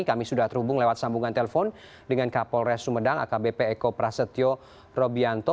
kami sudah terhubung lewat sambungan telepon dengan kapolres sumedang akbp eko prasetyo robianto